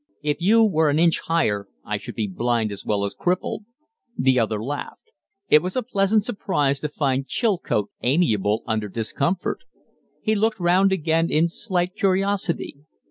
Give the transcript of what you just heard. If you were an inch higher I should be blind as well as crippled." The other laughed. It was a pleasant surprise to find Chilcote amiable under discomfort. He looked round again in slight curiosity.